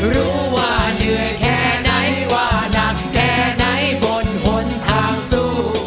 รู้ว่าเหนื่อยแค่ไหนว่านักแค่ไหนบนหนทางสู้